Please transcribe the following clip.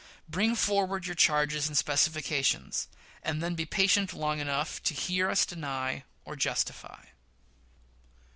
Bring forward your charges and specifications, and then be patient long enough to hear us deny or justify.